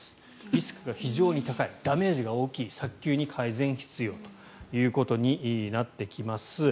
リスクが非常に高いダメージが大きい早急に改善が必要ということになってきます。